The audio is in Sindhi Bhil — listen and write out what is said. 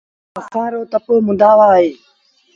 اسآݩ رو تپو مندآ وآه اهي